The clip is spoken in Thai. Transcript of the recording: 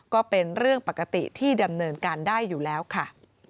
ก็เป็นเรื่องปกติที่ดำเนินการได้อยู่แล้วค่ะ